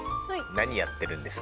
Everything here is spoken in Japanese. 何やってるんですか？